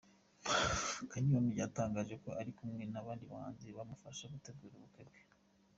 Kanyombya yatangaje ko ari kumwe n’abandi bahanzi bamufasha gutegura ubukwe bwe.